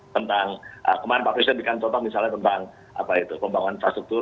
tentang kemarin pak presiden bikin contoh misalnya tentang pembangunan infrastruktur